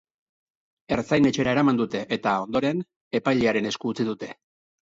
Ertzain-etxera eraman dute, eta, ondoren, epailearen esku utzi dute.